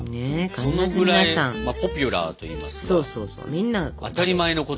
そのくらいポピュラーといいますか当たり前のことなんだね。